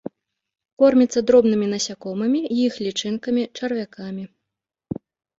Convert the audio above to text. Корміцца дробнымі насякомымі, іх лічынкамі, чарвякамі.